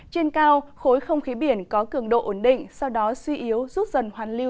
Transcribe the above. trên cao khối không khí biển có cường độ ổn định